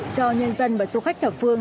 cho nhân dân và số khách thập phương